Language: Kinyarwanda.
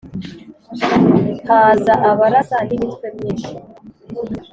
haza abarasa n'imitwe myinshi